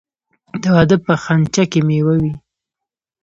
د واده په خنچه کې میوه وي.